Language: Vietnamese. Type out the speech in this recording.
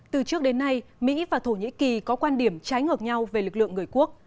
từ trước đến nay mỹ và thổ nhĩ kỳ có quan điểm trái ngược nhau về lực lượng người quốc